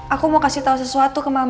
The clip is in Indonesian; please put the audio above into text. aku mau kasih tahu sesuatu ke mama